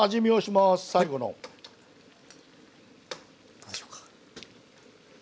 どうでしょうか？